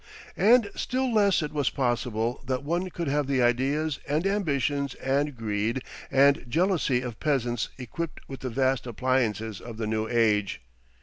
And still less it was possible that one could have the ideas and ambitions and greed and jealousy of peasants equipped with the vast appliances of the new age.